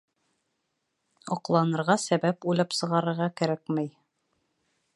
Аҡланырға сәбәп уйлап сығарырға кәрәкмәй